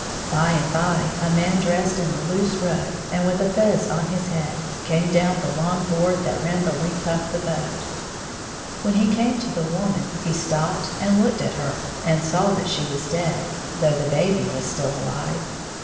By and by, a man dressed in a loose robe, and with a fez on his head, came down the long board that ran the length of the boat. When he came to the woman he stopped and looked at her, and saw that she was dead, though the baby was still alive.